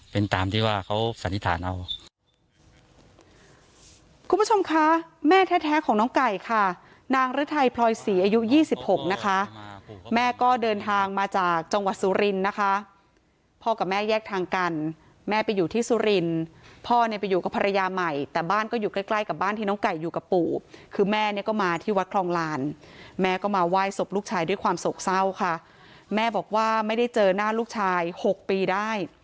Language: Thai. เป็นตามที่ว่าเขาสันนิษฐานเอา